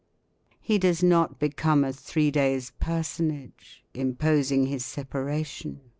He does not become a three days' personage. Imposing his separation.